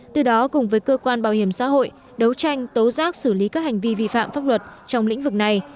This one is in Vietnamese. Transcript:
từ đó cùng với cơ quan bảo hiểm xã hội đấu tranh tố giác xử lý các hành vi vi phạm pháp luật trong lĩnh vực này